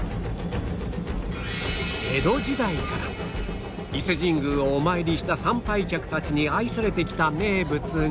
江戸時代から伊勢神宮をお参りした参拝客たちに愛されてきた名物が